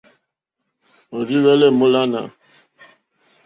Òrzì hwɛ́lɛ́ èmólánà.